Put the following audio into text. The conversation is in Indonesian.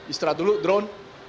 istirahat dulu drone